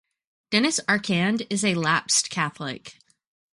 Denys Arcand is a lapsed Catholic.